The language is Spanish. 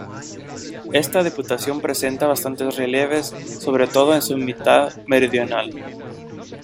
Esta diputación presenta bastantes relieves, sobre todo en su mitad meridional.